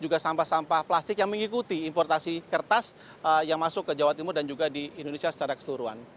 juga sampah sampah plastik yang mengikuti importasi kertas yang masuk ke jawa timur dan juga di indonesia secara keseluruhan